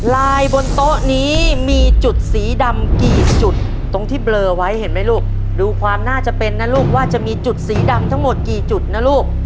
บนโต๊ะนี้มีจุดสีดำกี่จุดตรงที่เบลอไว้เห็นไหมลูกดูความน่าจะเป็นนะลูกว่าจะมีจุดสีดำทั้งหมดกี่จุดนะลูก